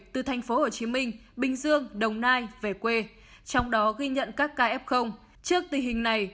từ thành phố hồ chí minh bình dương đồng nai về quê trong đó ghi nhận các kf trước tình hình này